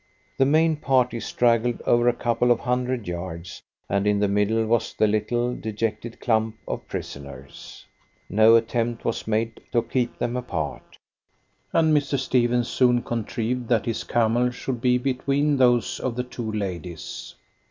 The main party straggled over a couple of hundred yards, and in the middle was the little, dejected clump of prisoners. No attempt was made to keep them apart, and Mr. Stephens soon contrived that his camel should be between those of the two ladies.